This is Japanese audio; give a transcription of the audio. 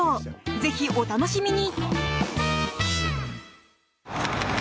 ぜひお楽しみに！